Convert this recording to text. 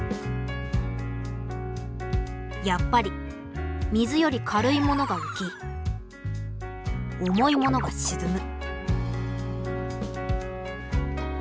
やっぱり水より軽いものが浮き重いものが沈む。